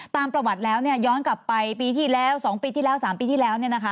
ตามประวัติแล้วย้อนกลับไปปีที่แล้ว๒ปีที่แล้ว๓ปีที่แล้ว